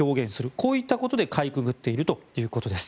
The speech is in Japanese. こういったことでかいくぐっているということです。